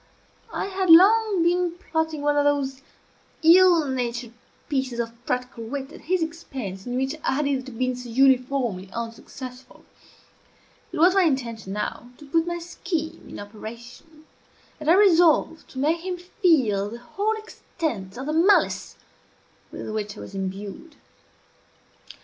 I had long been plotting one of those ill natured pieces of practical wit at his expense in which I had hitherto been so uniformly unsuccessful. It was my intention, now, to put my scheme in operation, and I resolved to make him feel the whole extent of the malice with which I was imbued.